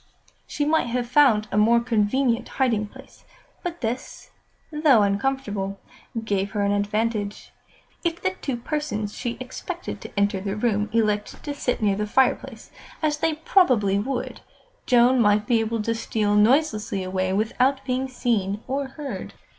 She might have found a more convenient hiding place, but this, though uncomfortable, gave her an advantage. If the two persons she expected to enter the room elected to sit near the fireplace, as they probably would, Joan might be able to steal noiselessly away without being seen or heard.